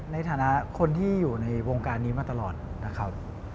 ในฐานะคนที่อยู่ในวงการนี้มาตลอดนะครับ